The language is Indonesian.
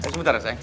sebentar ya sayang